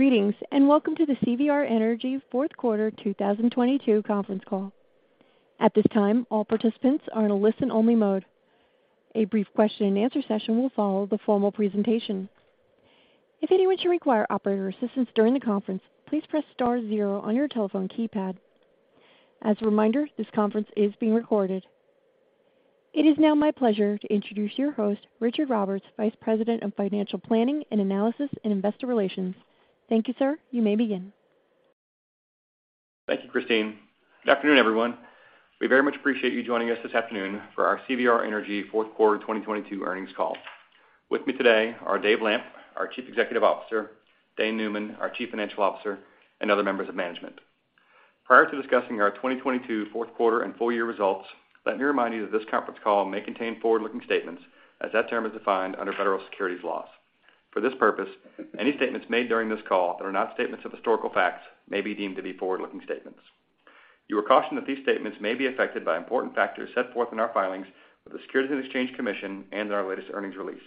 Greetings, welcome to the CVR Energy Q4 2022 conference call. At this time, all participants are in a listen-only mode. A brief Q&A session will follow the formal presentation. If anyone should require operator assistance during the conference, please press star zero on your telephone keypad. As a reminder, this conference is being recorded. It is now my pleasure to introduce your host, Richard Roberts, Vice President of Financial Planning and Analysis and Investor Relations. Thank you, sir. You may begin. Thank you, Christine. Good afternoon, everyone. We very much appreciate you joining us this afternoon for our CVR Energy Q4 2022 earnings call. With me today Dave Lamp, our Chief Executive Dane Neumann, our Chief Financial Officer, and other members of management. Prior to discussing our 2022 Q4 and full year results, let me remind you that this conference call may contain forward-looking statements as that term is defined under federal securities laws. For this purpose, any statements made during this call that are not statements of historical facts may be deemed to be forward-looking statements. You are cautioned that these statements may be affected by important factors set forth in our filings with the Securities and Exchange Commission and in our latest earnings release.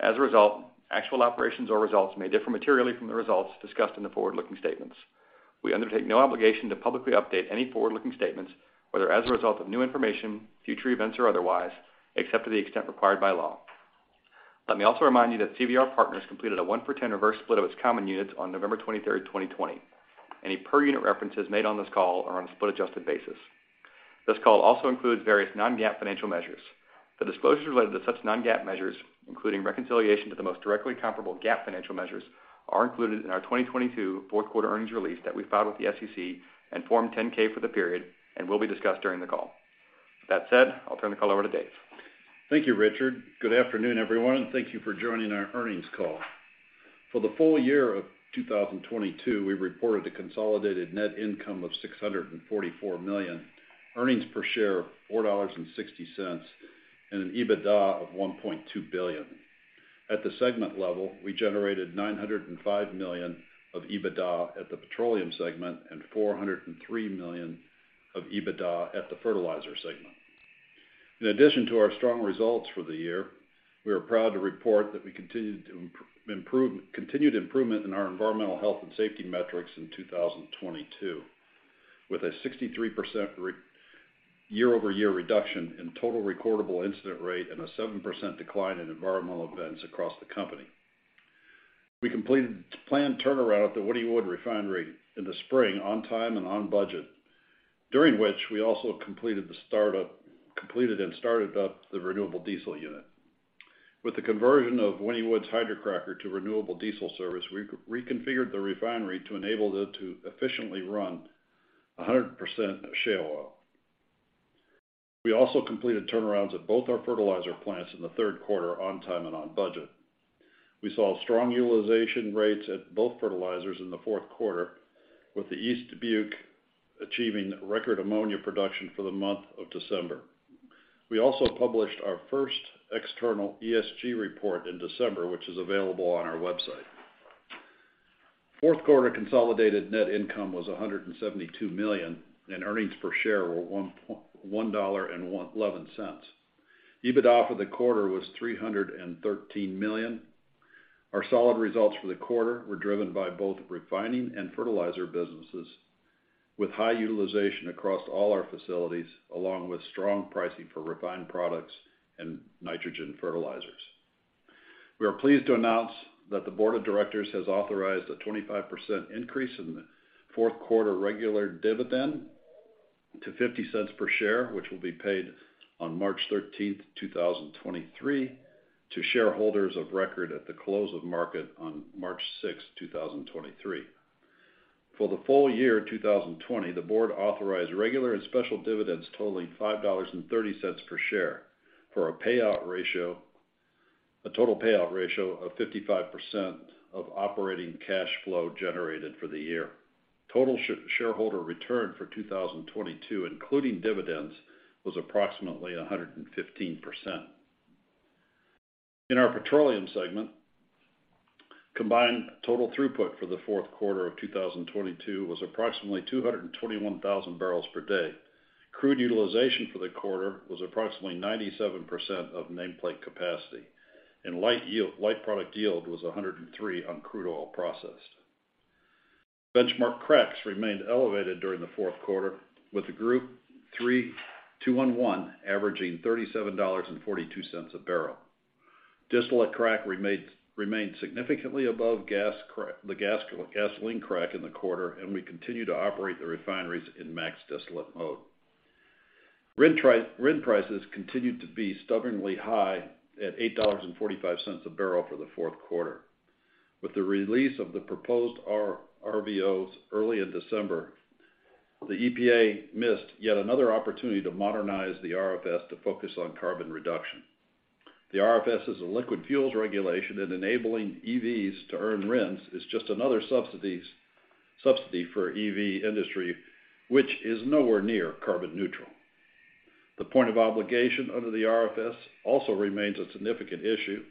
As a result, actual operations or results may differ materially from the results discussed in the forward-looking statements. We undertake no obligation to publicly update any forward-looking statements, whether as a result of new information, future events, or otherwise, except to the extent required by law. Let me also remind you that CVR Partners completed a 1-for-10 reverse split of its common units on November 23rd, 2020. Any per unit references made on this call are on a split-adjusted basis. This call also includes various non-GAAP financial measures. The disclosures related to such non-GAAP measures, including reconciliation to the most directly comparable GAAP financial measures, are included in our 2022 Q4 earnings release that we filed with the SEC and Form 10-K for the period and will be discussed during the call. That said, I'll turn the call over to Dave Lamp. Thank you, Richard Roberts. Good afternoon, everyone, thank you for joining our earnings call. For the full year of 2022, we reported a consolidated net income of $644 million, earnings per share of $4.60, and an EBITDA of $1.2 billion. At the segment level, we generated $905 million of EBITDA at the petroleum segment and $403 million of EBITDA at the fertilizer segment. In addition to our strong results for the year, we are proud to report that we continued improvement in our environmental health and safety metrics in 2022, with a 63% year-over-year reduction in total recordable incident rate and a 7% decline in environmental events across the company. We completed the planned turnaround at the Wynnewood Refinery in the spring on time and on budget, during which we also completed and started up the Renewable diesel Unit. With the conversion of Wynnewood's hydrocracker to renewable diesel service, we reconfigured the refinery to enable it to efficiently run 100% shale oil. We also completed turnarounds at both our fertilizer plants in the Q3 on time and on budget. We saw strong utilization rates at both fertilizers in the Q4, with the East Dubuque achieving record ammonia production for the month of December. We also published our first external ESG report in December, which is available on our website. Q4 consolidated net income was $172 million, and earnings per share were $1.11. EBITDA for the quarter was $313 million. Our solid results for the quarter were driven by both refining and fertilizer businesses, with high utilization across all our facilities, along with strong pricing for refined products and nitrogen fertilizers. We are pleased to announce that the board of directors has authorized a 25% increase in the Q4 regular dividend to $0.50 per share, which will be paid on March 13th, 2023, to shareholders of record at the close of market on March 6th, 2023. For the full year 2020, the board authorized regular and special dividends totaling $5.30 per share for a total payout ratio of 55% of operating cash flow generated for the year. Total shareholder return for 2022, including dividends, was approximately 115%. In our petroleum segment, combined total throughput for the Q4 of 2022 was approximately 221,000 bbl per day. Crude utilization for the quarter was approximately 97% of nameplate capacity, and light product yield was 103 on crude oil processed. Benchmark cracks remained elevated during the Q4, with the Group 3 2-1-1 averaging $37.42 a bbl. Distillate crack remained significantly above the gasoline crack in the quarter, and we continue to operate the refineries in max distillate mode. RIN prices continued to be stubbornly high at $8.45 a bbl for the Q4. With the release of the proposed RVOs early in December, the EPA missed yet another opportunity to modernize the RFS to focus on carbon reduction. The RFS is a liquid fuels regulation, and enabling EVs to earn RINs is just another subsidy for EV industry, which is nowhere near carbon neutral. The point of obligation under the RFS also remains a significant issue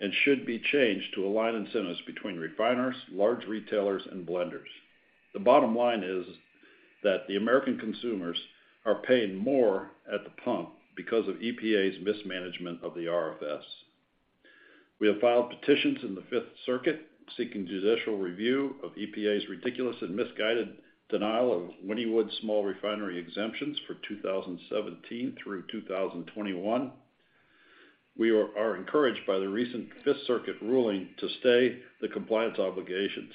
and should be changed to align incentives between refiners, large retailers, and blenders. The bottom line is that the American consumers are paying more at the pump because of EPA's mismanagement of the RFS. We have filed petitions in the Fifth Circuit seeking judicial review of EPA's ridiculous and misguided denial of Wynnewood Small Refinery Exemptions for 2017 through 2021. We are encouraged by the recent Fifth Circuit ruling to stay the compliance obligations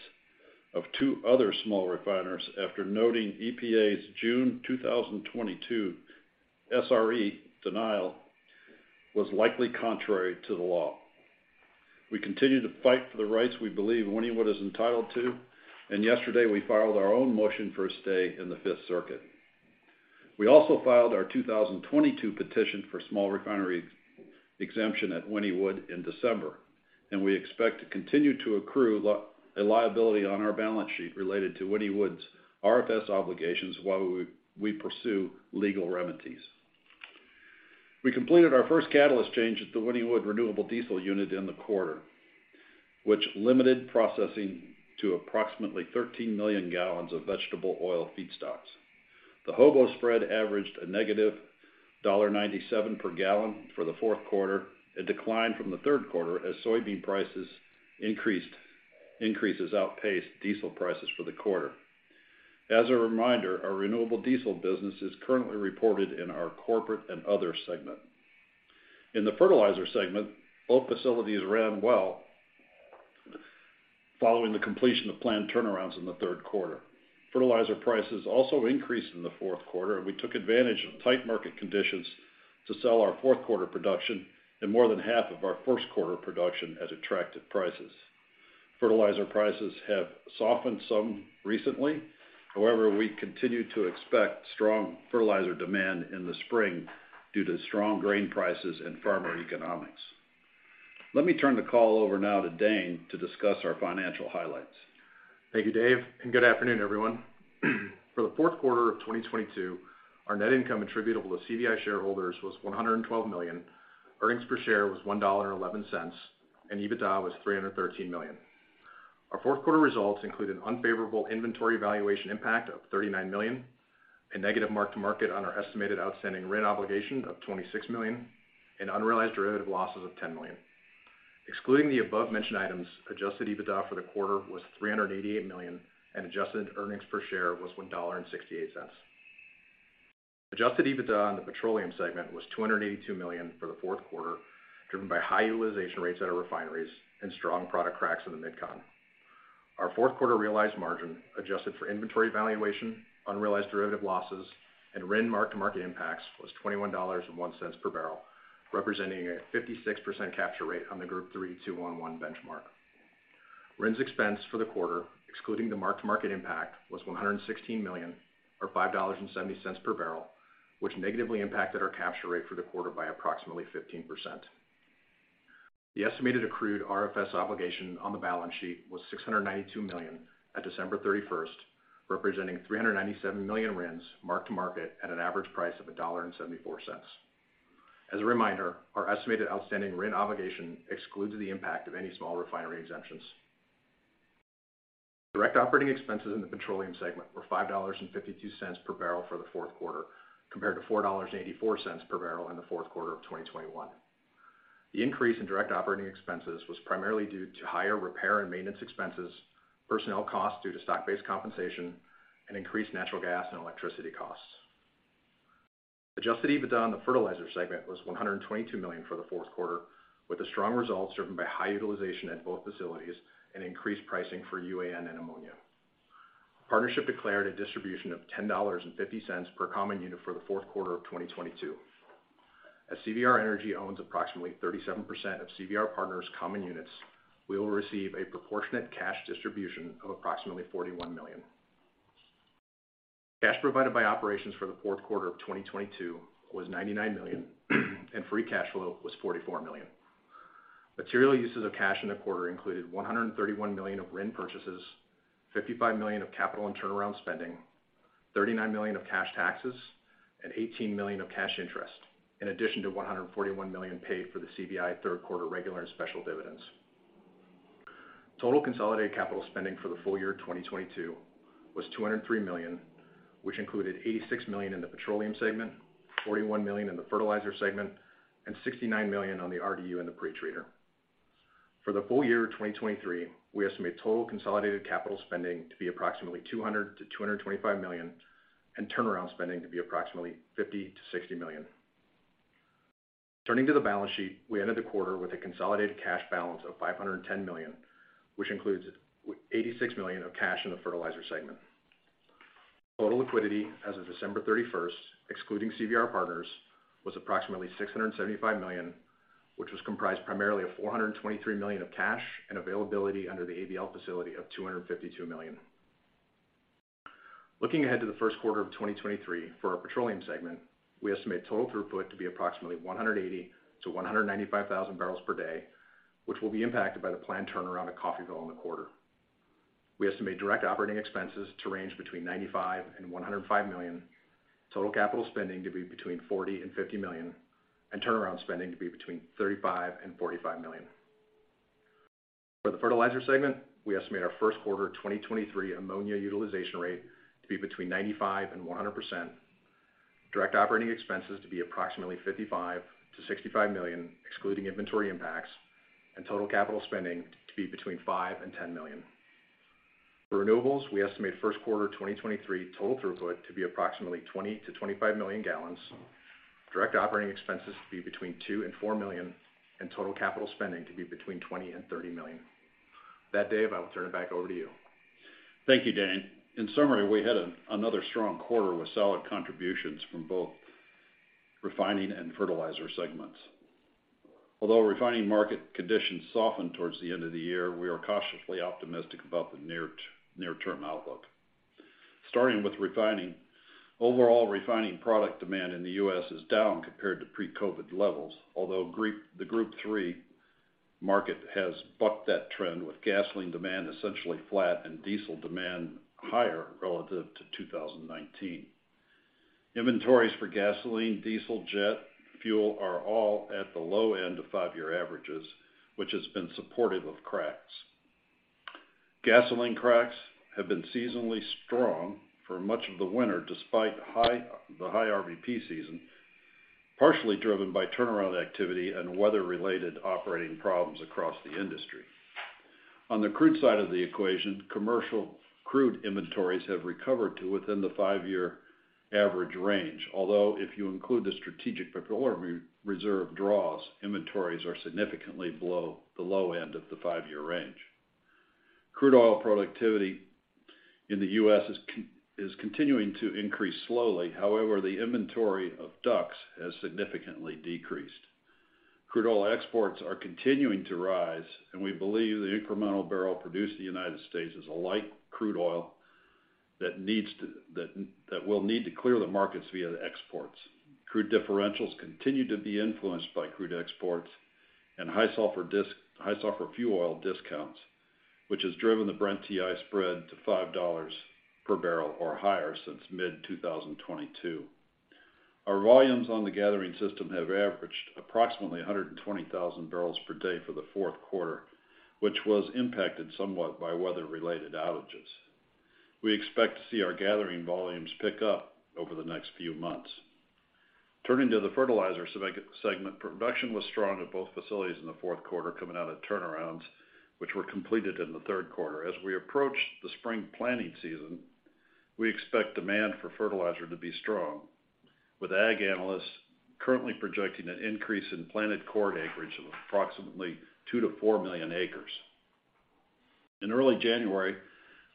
of two other small refiners after noting EPA's June 2022 SRE denial was likely contrary to the law. We continue to fight for the rights we believe Wynnewood is entitled to, and yesterday, we filed our own motion for a stay in the Fifth Circuit. We also filed our 2022 petition for Small Refinery Exemption at Wynnewood in December, and we expect to continue to accrue a liability on our balance sheet related to Wynnewood's RFS obligations while we pursue legal remedies. We completed our first catalyst change at the Wynnewood Renewable diesel Unit in the quarter, which limited processing to approximately 13 million gal of vegetable oil feedstocks. The HOBO spread averaged a negative $1.97 per gal for the Q4, a decline from the Q3 as soybean prices increased outpaced diesel prices for the quarter. As a reminder, our renewable diesel business is currently reported in our corporate and other segment. In the fertilizer segment, both facilities ran well following the completion of planned turnarounds in the Q3. Fertilizer prices also increased in the Q4, and we took advantage of tight market conditions to sell our Q4 production and more than half of our Q1 production at attractive prices. Fertilizer prices have softened some recently. However, we continue to expect strong fertilizer demand in the spring due to strong grain prices and farmer economics. Let me turn the call over now to Dane Neumann to discuss our financial highlights. Thank you, Dave Lamp, and good afternoon, everyone. For the Q4 of 2022, our net income attributable to CVI shareholders was $112 million. Earnings per share was $1.11, and EBITDA was $313 million. Our Q4 results include an unfavorable inventory valuation impact of $39 million, a negative mark-to-market on our estimated outstanding RIN obligation of $26 million, and unrealized derivative losses of $10 million. Excluding the above-mentioned items, Adjusted EBITDA for the quarter was $388 million, and adjusted earnings per share was $1.68. Adjusted EBITDA on the petroleum segment was $282 million for the Q4, driven by high utilization rates at our refineries and strong product cracks in the MidCon. Our Q4 realized margin, adjusted for inventory valuation, unrealized derivative losses, and RIN mark-to-market impacts, was $21.01 per bbl, representing a 56% capture rate on the Group 3 2-1-1 benchmark. RIN's expense for the quarter, excluding the mark-to-market impact, was $116 million or $5.70 per bbl, which negatively impacted our capture rate for the quarter by approximately 15%. The estimated accrued RFS obligation on the balance sheet was $692 million at December 31st, representing 397 million RINs mark-to-market at an average price of $1.74. As a reminder, our estimated outstanding RIN obligation excludes the impact of any Small Refinery Exemptions. Direct operating expenses in the petroleum segment were $5.52 per bbl for the Q4, compared to $4.84 per bbl in the Q4 of 2021. The increase in direct operating expenses was primarily due to higher repair and maintenance expenses, personnel costs due to stock-based compensation, and increased natural gas and electricity costs. Adjusted EBITDA on the fertilizer segment was $122 million for the Q4, with the strong results driven by high utilization at both facilities and increased pricing for UAN and ammonia. Partnership declared a distribution of $10.50 per common unit for the Q4 of 2022. As CVR Energy owns approximately 37% of CVR Partners' common units, we will receive a proportionate cash distribution of approximately $41 million. Cash provided by operations for the Q4 of 2022 was $99 million, and free cash flow was $44 million. Material uses of cash in the quarter included $131 million of RIN purchases, $55 million of capital and turnaround spending, $39 million of cash taxes, and $18 million of cash interest, in addition to $141 million paid for the CVI Q3 regular and special dividends. Total consolidated capital spending for the full year 2022 was $203 million, which included $86 million in the petroleum segment, $41 million in the fertilizer segment, and $69 million on the RDU and the pretreater. For the full year 2023, we estimate total consolidated capital spending to be approximately $200 million-$225 million and turnaround spending to be approximately $50 million-$60 million. Turning to the balance sheet, we ended the quarter with a consolidated cash balance of $510 million, which includes $886 million of cash in the fertilizer segment. Total liquidity as of December 31st, excluding CVR Partners, was approximately $675 million, which was comprised primarily of $423 million of cash and availability under the ABL facility of $252 million. Looking ahead to the Q1 of 2023 for our petroleum segment, we estimate total throughput to be approximately 180,000-195,000 bbl per day, which will be impacted by the planned turnaround Coffeyville in the quarter. We estimate direct operating expenses to range between $95 million and $105 million, total capital spending to be between $40 million and $50 million, and turnaround spending to be between $35 million and $45 million. For the fertilizer segment, we estimate our Q1 2023 ammonia utilization rate to be between 95% and 100%. Direct operating expenses to be approximately $55 million to $65 million, excluding inventory impacts, and total capital spending to be between $5 million and $10 million. For renewables, we estimate Q1 2023 total throughput to be approximately 20 million gal-25 million gal. Direct operating expenses to be between $2 million and $4 million, and total capital spending to be between $20 million and $30 million. With that, Dave Lamp, I will turn it back over to you. Thank you, Dane Neumann. In summary, we had another strong quarter with solid contributions from both refining and fertilizer segments. Although refining market conditions softened towards the end of the year, we are cautiously optimistic about the near-term outlook. Starting with refining. Overall refining product demand in the U.S. is down compared to pre-COVID levels, although the Group 3 market has bucked that trend with gasoline demand essentially flat and diesel demand higher relative to 2019. Inventories for gasoline, diesel, jet fuel are all at the low-end of five-year averages, which has been supportive of cracks. Gasoline cracks have been seasonally strong for much of the winter, despite the high RVP season, partially driven by turnaround activity and weather-related operating problems across the industry. On the crude side of the equation, commercial crude inventories have recovered to within the five-year average range. Although, if you include the Strategic Petroleum Reserve draws, inventories are significantly below the low-end of the five-year range. Crude oil productivity in the U.S. is continuing to increase slowly. However, the inventory of DUCs has significantly decreased. Crude oil exports are continuing to rise, and we believe the incremental bbl produced in the United States is a light crude oil that will need to clear the markets via exports. Crude differentials continue to be influenced by crude exports and high sulfur fuel oil discounts, which has driven the Brent-WTI spread to $5 per bbl or higher since mid-2022. Our volumes on the gathering system have averaged approximately 120,000 bbl per day for the Q4, which was impacted somewhat by weather-related outages. We expect to see our gathering volumes pick up over the next few months. Turning to the fertilizer segment. Production was strong at both facilities in the Q4, coming out of turnarounds which were completed in the Q3. As we approach the spring planning season, we expect demand for fertilizer to be strong, with ag analysts currently projecting an increase in planted corn acreage of approximately two million acres-four million acres. In early January,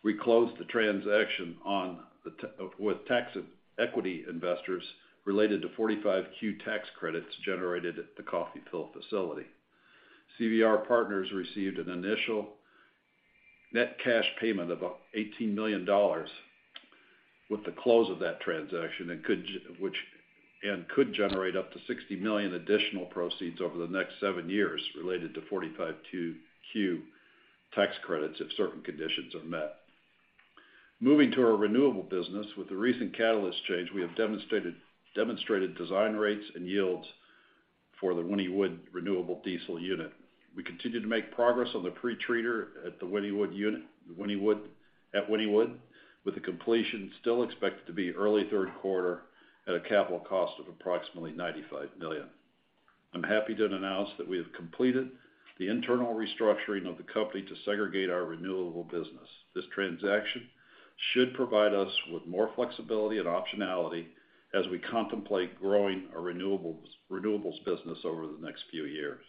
we closed the transaction with tax equity investors related to 45Q tax credits generated at Coffeyville facility. CVR Partners received an initial net cash payment of $18 million with the close of that transaction, and could generate up to $60 million additional proceeds over the next seven years related to 45Q tax credits if certain conditions are met. Moving to our renewable business. With the recent catalyst change, we have demonstrated design rates and yields for the Wynnewood Renewable Diesel unit. We continue to make progress on the pretreater at the Wynnewood unit, at Wynnewood, with the completion still expected to be early Q3 at a capital cost of approximately $95 million. I'm happy to announce that we have completed the internal restructuring of the company to segregate our renewable business. This transaction should provide us with more flexibility and optionality as we contemplate growing our renewables business over the next few years.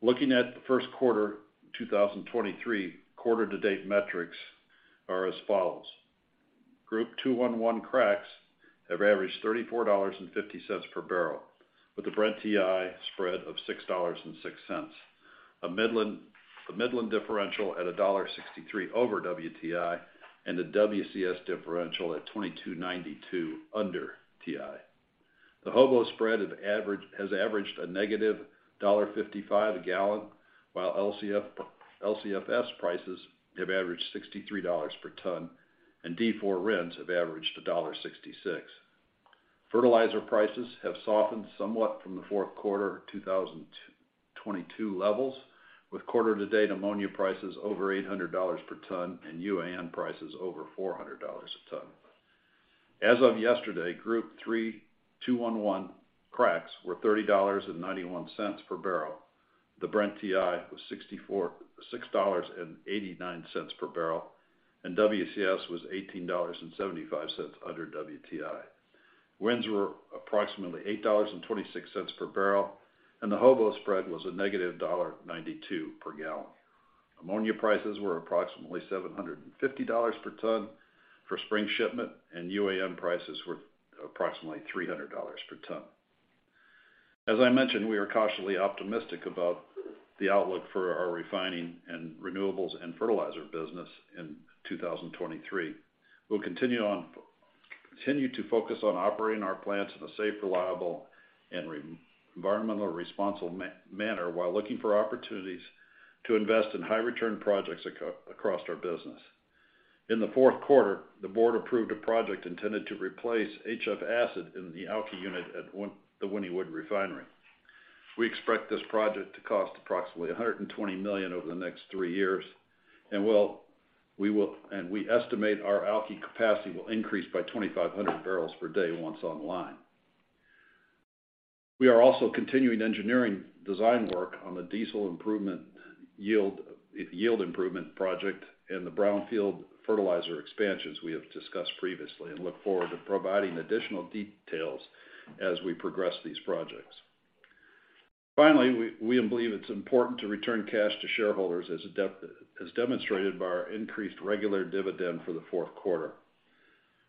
Looking at the Q1 2023. Quarter to date metrics are as follows: Group 3 2-1-1 cracks have averaged $34.50 per bbl, with the Brent-WTI spread of $6.06. A Midland differential at $1.63 over WTI, and a WCS differential at $22.92 under WTI. The HOBO spread has averaged a negative $1.55 a gal, while LCFS prices have averaged $63 per ton, and D4 RINs have averaged $1.66. Fertilizer prices have softened somewhat from the Q4 2022 levels, with quarter to date ammonia prices over $800 per ton and UAN prices over $400 a ton. As of yesterday, Group 3 2-1-1 cracks were $30.91 per bbl. The Brent-WTI was $6.89 per bbl, and WCS was $18.75 under WTI. RINs were approximately $8.26 per bbl, and the HOBO spread was a negative $1.92 per gal. Ammonia prices were approximately $750 per ton for spring shipment. UAN prices were approximately $300 per ton. As I mentioned, we are cautiously optimistic about the outlook for our refining and renewables and fertilizer business in 2023. We'll continue to focus on operating our plants in a safe, reliable, and environmentally responsible manner while looking for opportunities to invest in high return projects across our business. In the Q4, the Board approved a project intended to replace HF acid in the alky unit at the Wynnewood Refinery. We expect this project to cost approximately $120 million over the next three years, and well, we estimate our alky capacity will increase by 2,500 bbl per day once online. We are also continuing engineering design work on the diesel improvement yield improvement project and the Brownfield fertilizer expansions we have discussed previously and look forward to providing additional details as we progress these projects. Finally, we believe it's important to return cash to shareholders as demonstrated by our increased regular dividend for the Q4.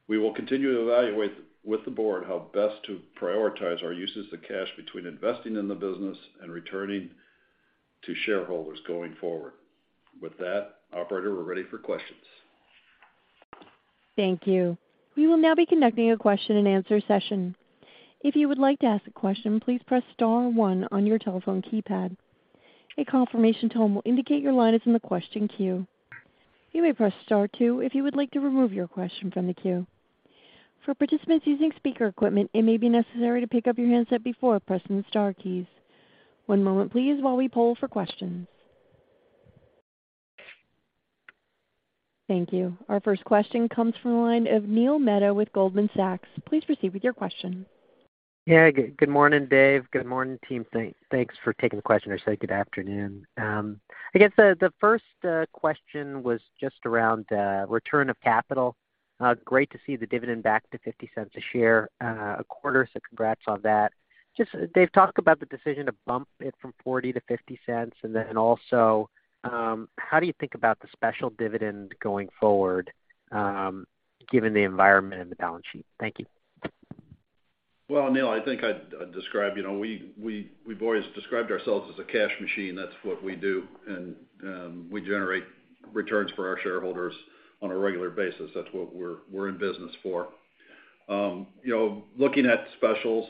We will continue to evaluate with the board how best to prioritize our uses of cash between investing in the business and returning to shareholders going forward. With that, operator, we're ready for questions. Thank you. We will now be conducting a Q&A session. If you would like to ask a question, please press star one on your telephone keypad. A confirmation tone will indicate your line is in the question queue. You may press star two if you would like to remove your question from the queue. For participants using speaker equipment, it may be necessary to pick up your handset before pressing the star keys. One moment please while we poll for questions. Thank you. Our first question comes from the line Neil Mehta with Goldman Sachs. Please proceed with your question. Yeah, good morning, Dave Lamp. Good morning, team. Thanks for taking the question. Or say, good afternoon. I guess the first question was just around return of capital. Great to see the dividend back to $0.50 a share a quarter. Congrats on that. Just, Dave Lamp, talk about the decision to bump it from $0.40-$0.50. Also, how do you think about the special dividend going forward, given the environment and the balance sheet? Thank you. Well, Neil Mehta, I think I'd describe, you know, we've always described ourselves as a cash machine. That's what we do. We generate returns for our shareholders on a regular basis. That's what we're in business for. You know, looking at specials,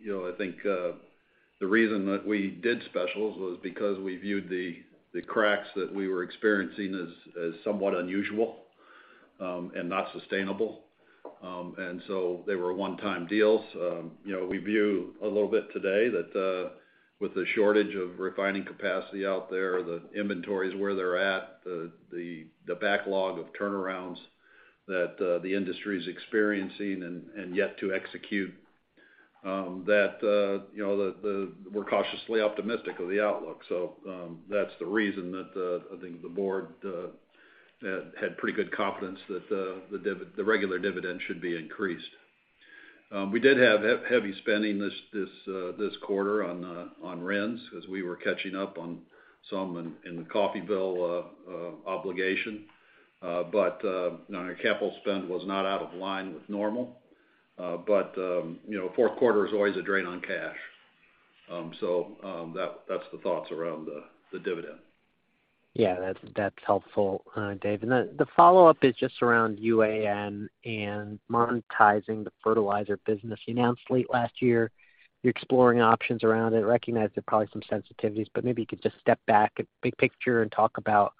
you know, I think the reason that we did specials was because we viewed the cracks that we were experiencing as somewhat unusual and not sustainable. They were one-time deals. You know, we view a little bit today that with the shortage of refining capacity out there, the inventories where they're at, the backlog of turnarounds that the industry is experiencing and yet to execute, you know, we're cautiously optimistic of the outlook. That's the reason that the, I think the board had pretty good confidence that the regular dividend should be increased. We did have heavy spending this quarter on RINs as we were catching up on some in Coffeyville obligation. Capital spend was not out of line with normal. You know, Q4 is always a drain on cash. That's the thoughts around the dividend. Yeah, that's helpful, Dave Lamp. The follow-up is just around UAN and monetizing the fertilizer business. You announced late last year you're exploring options around it, recognize there are probably some sensitivities, but maybe you could just step back, big picture, and talk about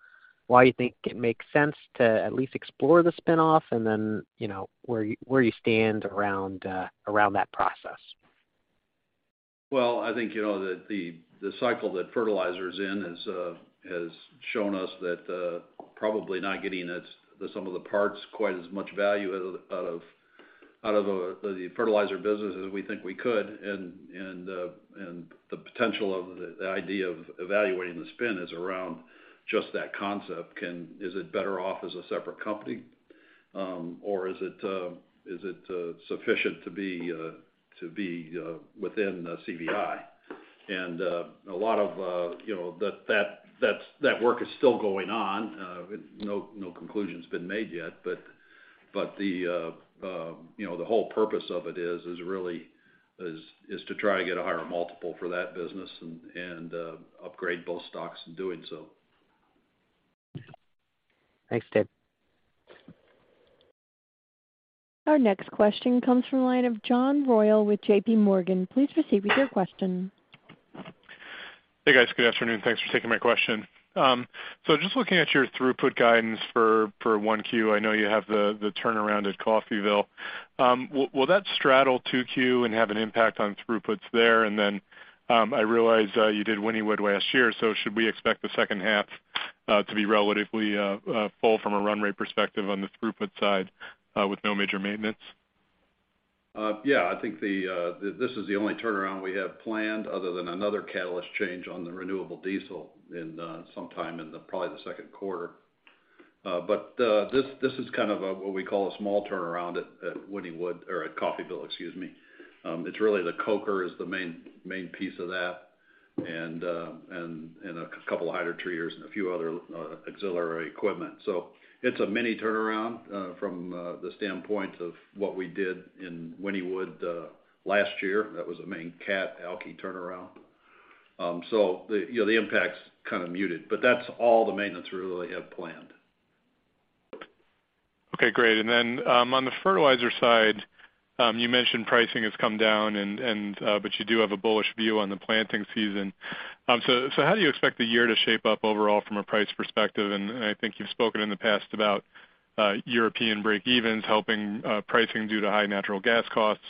why you think it makes sense to at least explore the spin-off and then, you know, where you stand around that process? I think you know that the cycle that fertilizer is in has shown us that probably not getting the sum of the parts quite as much value out of the fertilizer business as we think we could. The potential of the idea of evaluating the spin is around just that concept. Is it better off as a separate company, or is it sufficient to be within CVI? A lot of, you know, that work is still going on. no conclusion's been made yet, but the, you know, the whole purpose of it is really to try to get a higher multiple for that business and upgrade both stocks in doing so. Thanks, Dave Lamp. Our next question comes from the line of John Royall with J.P. Morgan. Please proceed with your question. Hey, guys. Good afternoon. Thanks for taking my question. So just looking at your throughput guidance for 1Q, I know you have the turnaround Coffeyville. Will that straddle 2Q and have an impact on throughputs there? I realize you did Wynnewood last year, so should we expect the H2 to be relatively full from a run rate perspective on the throughput side with no major maintenance? Yeah. I think the this is the only turnaround we have planned other than another catalyst change on the renewable diesel in sometime in the, probably the Q2. This is kind of a what we call a small turnaround at Wynnewood or Coffeyville, excuse me. It's really the coker is the main piece of that and a couple of hydrotreaters and a few other auxiliary equipment. It's a mini turnaround from the standpoint of what we did in Wynnewood last year. That was a main cat alky turnaround. The, you know, the impact's kind of muted, but that's all the maintenance we really have planned. Okay, great. On the fertilizer side, you mentioned pricing has come down and but you do have a bullish view on the planting season. How do you expect the year to shape up overall from a price perspective? I think you've spoken in the past about European breakevens helping pricing due to high natural gas costs,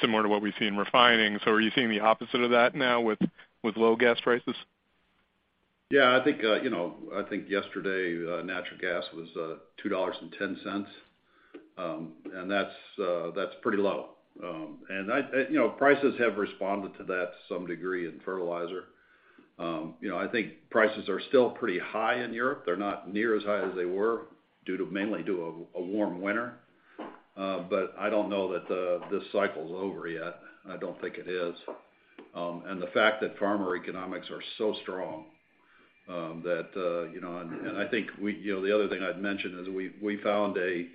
similar to what we see in refining. Are you seeing the opposite of that now with low gas prices? Yeah, I think, you know, I think yesterday, natural gas was $2.10. That's pretty low. I, you know, prices have responded to that to some degree in fertilizer. You know, I think prices are still pretty high in Europe. They're not near as high as they were due to mainly to a warm winter. I don't know that this cycle's over yet. I don't think it is. The fact that farmer economics are so strong, that, you know, and I think we, you know, the other thing I'd mention is we found a,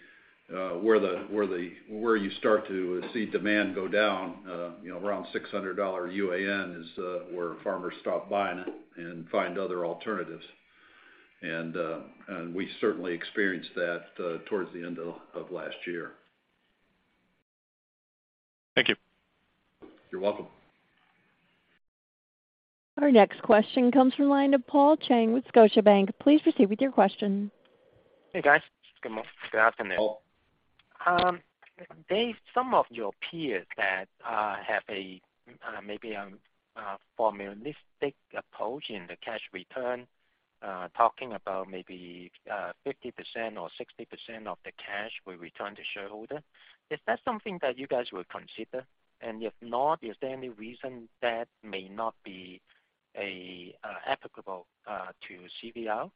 where you start to see demand go down, you know, around $600 UAN is where farmers stop buying it and find other alternatives. We certainly experienced that, towards the end of last year. Thank you. You're welcome. Our next question comes from line Paul Cheng with Scotiabank. Please proceed with your question. Hey, guys. Good afternoon. Paul Cheng. Dave Lamp, some of your peers that have a maybe formulaistic approach in the cash return, talking about maybe 50% or 60% of the cash will return to shareholder. Is that something that you guys would consider? If not, is there any reason that may not be applicable to CVR?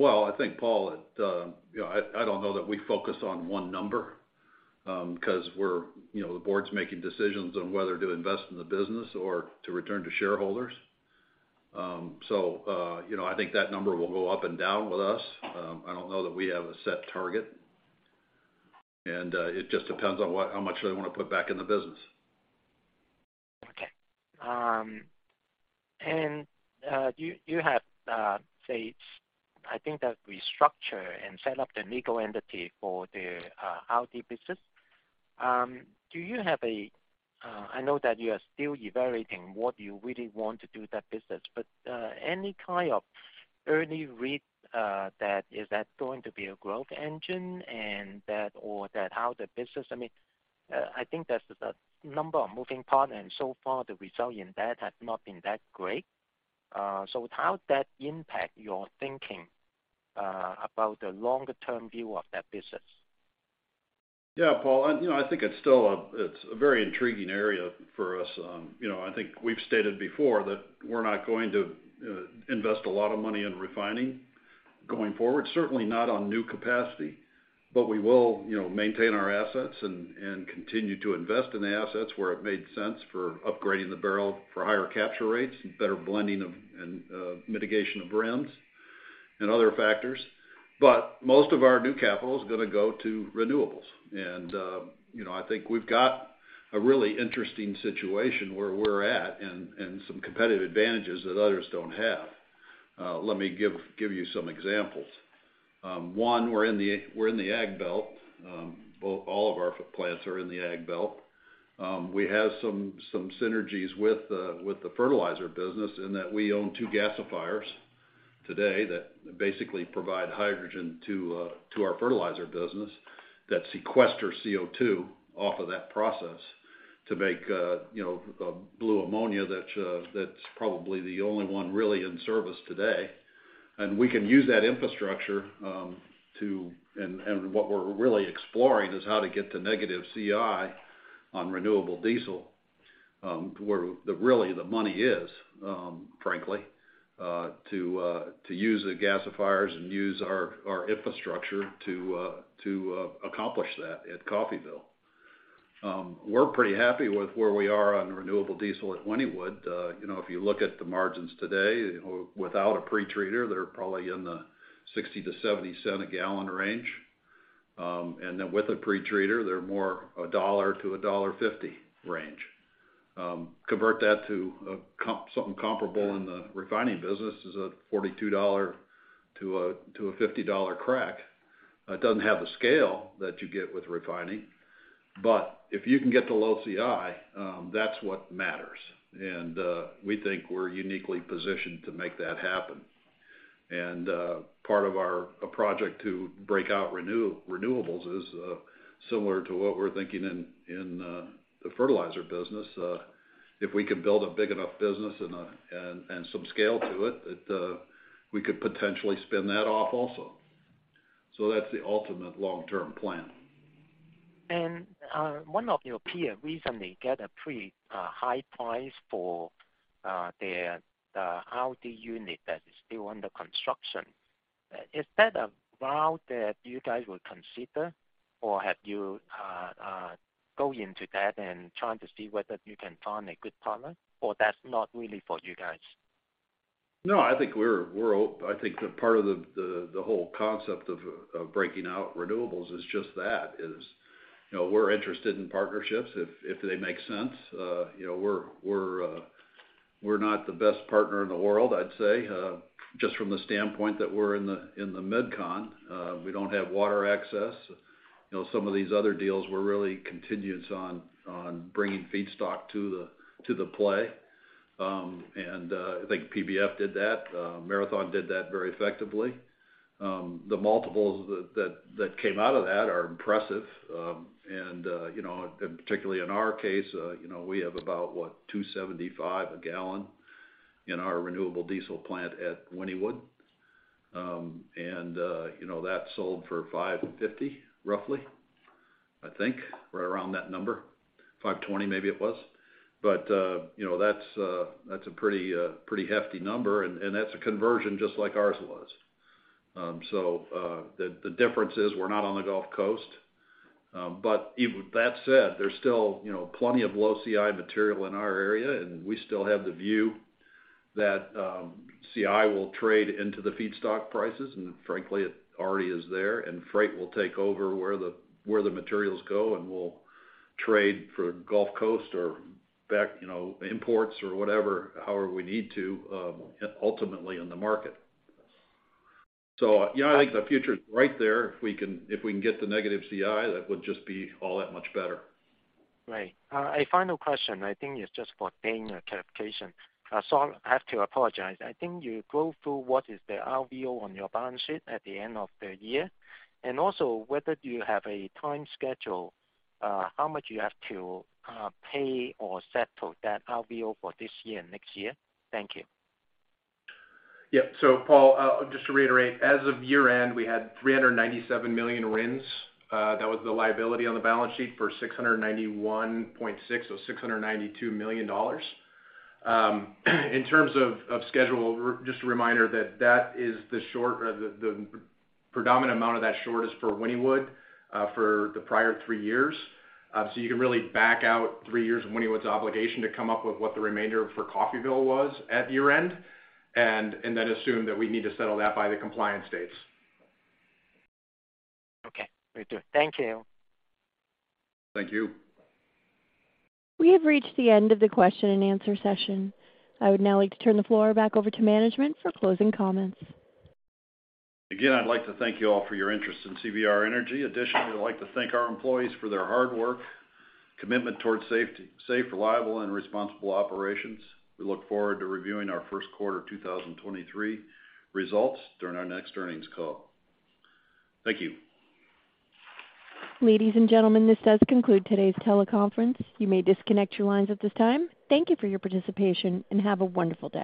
Well, I think, Paul Cheng, it, you know, I don't know that we focus on one number, because we're, you know, the board's making decisions on whether to invest in the business or to return to shareholders. So, you know, I think that number will go up and down with us. I don't know that we have a set target. It just depends on what, how much they wanna put back in the business. Okay. You, you have, say, I think that restructure and set up the legal entity for the RD business. Do you have a, I know that you are still evaluating what you really want to do that business, but any kind of early read, that is that going to be a growth engine and that, or that how the business... I mean, I think that's the number of moving parts, and so far the result in that has not been that great. How that impact your thinking about the longer-term view of that business? Yeah, Paul Cheng. You know, I think it's still a very intriguing area for us. You know, I think we've stated before that we're not going to invest a lot of money in refining going forward, certainly not on new capacity, but we will, you know, maintain our assets and continue to invest in the assets where it made sense for upgrading the bbl for higher capture rates and better blending of and mitigation of RINs and other factors. Most of our new capital is going to go to renewables. You know, I think we've got a really interesting situation where we're at and some competitive advantages that others don't have. Let me give you some examples. One, we're in the Ag Belt. All of our plants are in the Ag Belt. We have some synergies with the fertilizer business in that we own two gasifiers today that basically provide hydrogen to our fertilizer business that sequester CO2 off of that process to make, you know, a blue ammonia that's probably the only one really in service today. We can use that infrastructure. What we're really exploring is how to get to negative CI on renewable diesel to where the, really the money is, frankly, to use the gasifiers and use our infrastructure to accomplish that Coffeyville. We're pretty happy with where we are on renewable diesel at Wynnewood. You know, if you look at the margins today without a pretreater, they're probably in the $0.60-$0.70 a gal range. Then with a pretreater, they're more a $1-$1.50 range. Convert that to something comparable in the refining business is a $42-$50 crack. It doesn't have the scale that you get with refining. If you can get the low CI, that's what matters. We think we're uniquely positioned to make that happen. Part of our project to break out renewables is similar to what we're thinking in the fertilizer business. If we can build a big enough business and some scale to it, we could potentially spin that off also. That's the ultimate long-term plan. One of your peer recently get a pretty high price for their RD unit that is still under construction. Is that a route that you guys would consider or have you go into that and trying to see whether you can find a good partner or that's not really for you guys? No, I think we're, I think the part of the whole concept of breaking out renewables is just that, is, you know, we're interested in partnerships if they make sense. You know, we're not the best partner in the world, I'd say, just from the standpoint that we're in the MidCon. We don't have water access. You know, some of these other deals were really continuance on bringing feedstock to the play. And I think PBF did that. Marathon did that very effectively. The multiples that came out of that are impressive. And, you know, and particularly in our case, you know, we have about, what, $2.75 a gal in our Renewable Diesel Plant at Wynnewood. you know, that sold for $550, roughly, I think. Right around that number. $520, maybe it was. you know, that's that's a pretty hefty number and that's a conversion just like ours was. The difference is we're not on the Gulf Coast. Even that said, there's still, you know, plenty of low CI material in our area, and we still have the view that CI will trade into the feedstock prices, and frankly, it already is there. Freight will take over where the materials go, and we'll trade for Gulf Coast or back, you know, imports or whatever. However we need to, ultimately in the market. you know, I think the future is right there. If we can get the negative CI, that would just be all that much better. Right. A final question I think is just for Dane Neumann, a clarification. I have to apologize. I think you go through what is the RVO on your balance sheet at the end of the year, and also whether you have a time schedule, how much you have to pay or settle that RVO for this year, next year. Thank you. Paul Cheng, just to reiterate, as of year-end, we had $397 million RINs. That was the liability on the balance sheet for $691.6 million, so $692 million. In terms of schedule, just a reminder that that is the short or the predominant amount of that short is for Wynnewood, for the prior-three-years. You can really back out three years of Wynnewood's obligation to come up with what the remainder Coffeyville was at year-end, and then assume that we need to settle that by the compliance dates. Okay. Very good. Thank you. Thank you. We have reached the end of the Q&A session. I would now like to turn the floor back over to management for closing comments. Again, I'd like to thank you all for your interest in CVR Energy. Additionally, I'd like to thank our employees for their hard work, commitment towards safety, safe, reliable and responsible operations. We look forward to reviewing our Q1 2023 results during our next earnings call. Thank you. Ladies and gentlemen, this does conclude today's teleconference. You may disconnect your lines at this time. Thank you for your participation. Have a wonderful day.